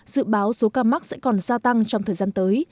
dự báo số ca mắc sẽ còn gia tăng trong thời gian tới